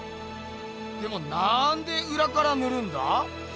でもなんでうらからぬるんだ？